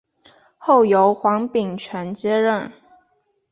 后由黄秉权接任。